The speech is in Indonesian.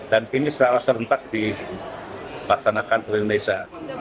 dan ini salah satu cara dilaksanakan di indonesia